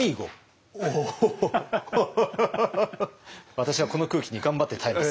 私はこの空気に頑張って耐えます。